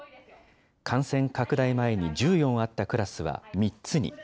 感染拡大前に１４あったクラスは３つに。